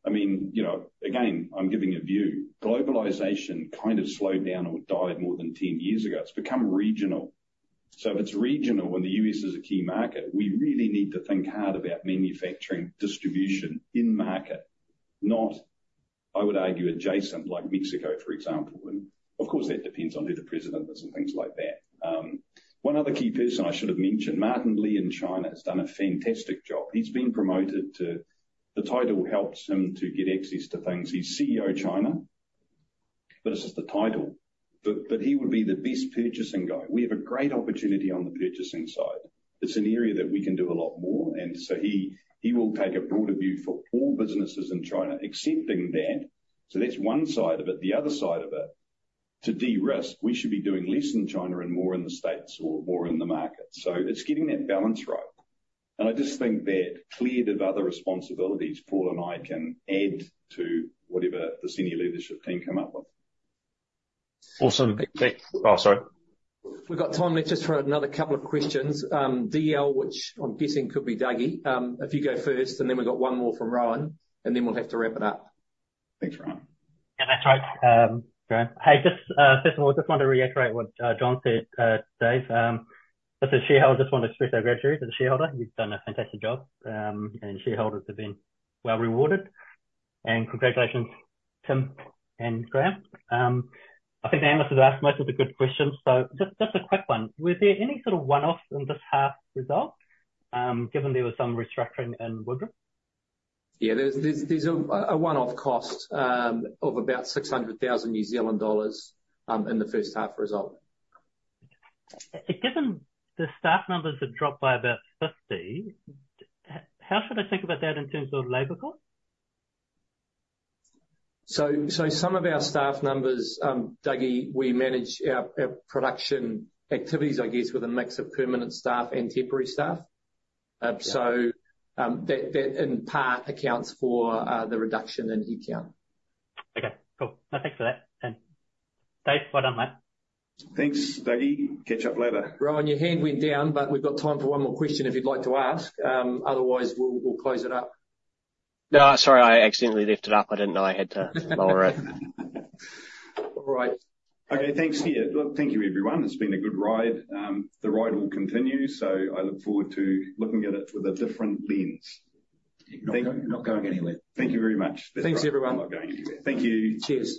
I mean, you know, again, I'm giving a view. Globalization kind of slowed down or died more than 10 years ago. It's become regional. So if it's regional and the U.S. is a key market, we really need to think hard about manufacturing, distribution in market, not, I would argue, adjacent like Mexico, for example. And of course, that depends on who the president is and things like that. One other key person I should have mentioned, Martin Li in China has done a fantastic job. He's been promoted to the title helps him to get access to things. He's CEO China, but it's just the title. But, but he would be the best purchasing guy. We have a great opportunity on the purchasing side. It's an area that we can do a lot more. And so he, he will take a broader view for all businesses in China, accepting that so that's one side of it. The other side of it, to de-risk, we should be doing less in China and more in the States or more in the market. So it's getting that balance right. And I just think that, cleared of other responsibilities, Paul and I can add to whatever the senior leadership team come up with. Awesome. Thanks. Oh, sorry. We've got time. Let's just for another couple of questions. DL, which I'm guessing could be Dougie, if you go first, and then we've got one more from Rowan, and then we'll have to wrap it up. Thanks, Rowan. Yeah, that's right. Graham. Hey, just, first of all, I just want to reiterate what, John said, today. Mr. Chair, I just want to express our gratitude as a shareholder. You've done a fantastic job. And shareholders have been well rewarded. And congratulations, Tim and Graham. I think the analysts have asked most of the good questions. So just a quick one. Were there any sort of one-offs in this half result, given there was some restructuring in Wigram? Yeah, there's a one-off cost of about 600,000 New Zealand dollars in the first half result. Given the staff numbers have dropped by about 50, how should I think about that in terms of labor costs? So some of our staff numbers, Dougie, we manage our production activities, I guess, with a mix of permanent staff and temporary staff. So that in part accounts for the reduction in headcount. Okay. Cool. No, thanks for that. And Dave, right on, mate. Thanks, Dougie. Catch up later. Rowan, your hand went down, but we've got time for one more question if you'd like to ask. Otherwise, we'll close it up. No, sorry. I accidentally left it up. I didn't know I had to lower it. All right. Okay. Thanks here. Well, thank you, everyone. It's been a good ride. The ride will continue, so I look forward to looking at it with a different lens. Not going anywhere. Thank you very much. Thanks, everyone. I'm not going anywhere. Thank you. Cheers.